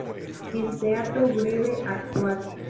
En "Teatro breve actual.